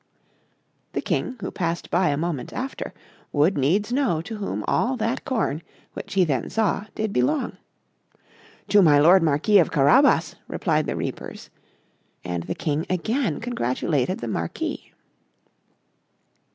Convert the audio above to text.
The King, who passed by a moment after, would needs know to whom all that corn, which he then saw, did belong. "To my lord Marquis of Carabas," replied the reapers; and the King again congratulated the Marquis.